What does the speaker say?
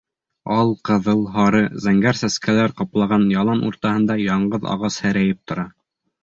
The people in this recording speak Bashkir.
Ал, ҡыҙыл, һары, зәңгәр сәскәләр ҡаплаған ялан уртаһында яңғыҙ ағас һерәйеп тора.